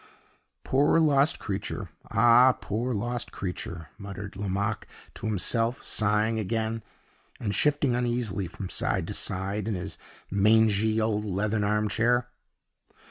"Poor, lost creature! ah, poor, lost creature!" muttered Lomaque to himself, sighing again, and shifting uneasily from side to side, in his mangy old leathern armchair.